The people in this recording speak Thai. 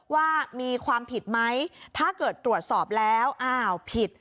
ว่ามีความผิดไหมถ้าเกิดตรวจสอบแล้วอ้าวผิด